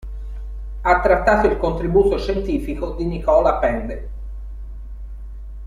Ha trattato il contributo scientifico di Nicola Pende.